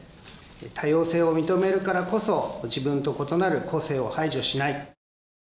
多様性を認めるからこそ自分と異なる個性を排除しない。